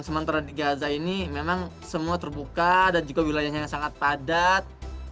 sementara di gaza ini memang semua terbuka dan juga wilayahnya yang sangat padat